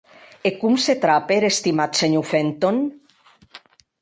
E com se trape er estimat senhor Fenton?